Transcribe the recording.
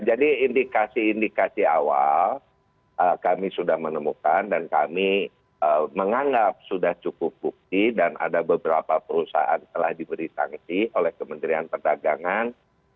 jadi indikasi indikasi awal kami sudah menemukan dan kami menganggap sudah cukup bukti dan ada beberapa perusahaan telah diberi sanksi oleh kementerian perdagangan